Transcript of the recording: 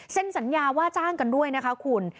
สัญญาว่าจ้างกันด้วยนะคะคุณ